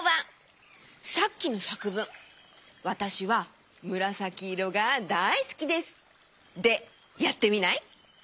さっきのさくぶん「わたしはむらさきいろがだいすきです」でやってみない？